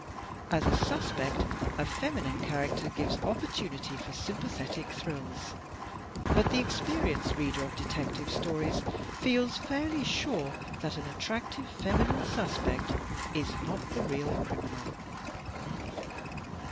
As a PERSONS IN THE STORY 243 suspect, a feminine character gives opportunity for sym pathetic thrills, but the experienced reader of detective stories feels fairiy sure that an attractive feminine suspect is not the real criminal.